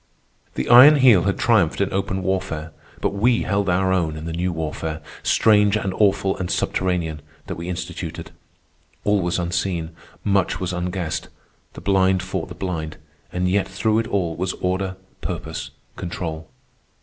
The Iron Heel had triumphed in open warfare, but we held our own in the new warfare, strange and awful and subterranean, that we instituted. All was unseen, much was unguessed; the blind fought the blind; and yet through it all was order, purpose, control.